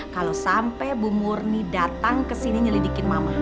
kalo sampe bu murni datang kesini nyelidikin mama